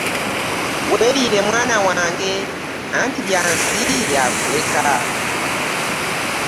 Weeriire mwana wange anti bya nsi bya kuleka.